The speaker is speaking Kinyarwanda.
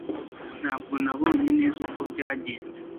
Ntabwo nabonye neza uko byagenze